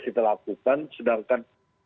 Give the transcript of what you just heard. kita lakukan sedangkan